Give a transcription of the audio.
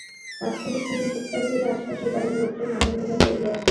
তাৎক্ষণিক তিনি চিৎকার দিলে আশপাশের বাড়ির লোকজন আগুন নেভাতে এগিয়ে আসেন।